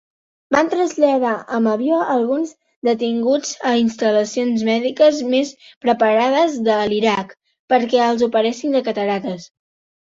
Van traslladar amb avió alguns detinguts a instal·lacions mèdiques més preparades de l'Iraq perquè els operessin de cataractes.